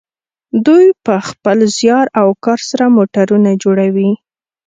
دوی په خپل زیار او کار سره موټرونه جوړوي.